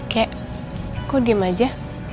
kek kok diam saja